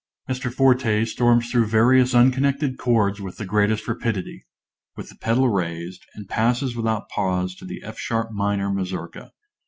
(_Mr. Forte storms through various unconnected chords with the greatest rapidity, with the pedal raised; and passes without pause to the F sharp minor mazourka.